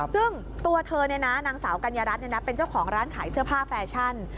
ซึ่งตัวเธอนางสาวกัญญารัฐเป็นเจ้าของร้านขายเสื้อผ้าแฟชั่น